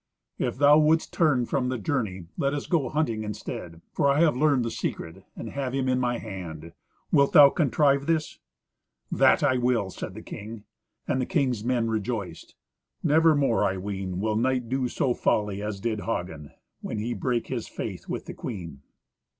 "If thou wouldst turn from the journey, let us go hunting instead; for I have learned the secret, and have him in my hand. Wilt thou contrive this?" "That will I," said the king. And the king's men rejoiced. Never more, I ween, will knight do so foully as did Hagen, when he brake his faith with the queen.